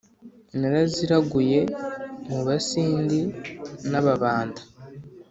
naraziraguye mu basindi n'ababanda